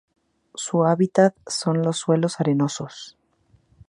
Su hábitat son los suelos arenosos.